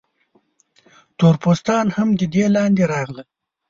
تور پوستان هم د دې لاندې راغلل.